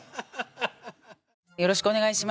よろしくお願いします。